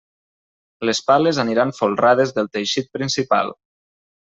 Les pales aniran folrades del teixit principal.